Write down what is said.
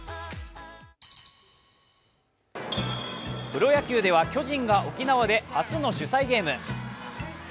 プロ野球では巨人が沖縄で初の主催ゲーム。